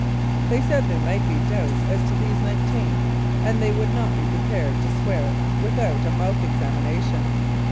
They said there might be doubt as to these nineteen, and they would not be pre pared to swear without a mouth examination.